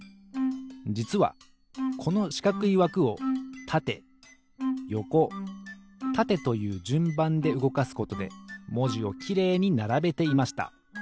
じつはこのしかくいわくをたてよこたてというじゅんばんでうごかすことでもじをきれいにならべていました。